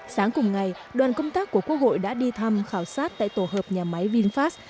sáng cùng ngày đoàn công tác của quốc hội đã đi thăm khảo sát tại tổ hợp nhà máy vinfast